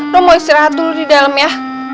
lo mau istirahat dulu di dalam ya